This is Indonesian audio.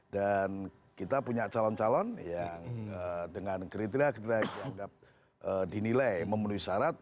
dan kita punya calon calon yang dengan kriteria yang kita anggap dinilai memenuhi syarat